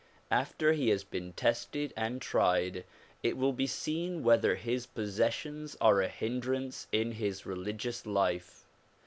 After he has been tested and tried it will be seen whether his possessions are a hindrance in his religious life.